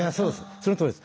そのとおりです。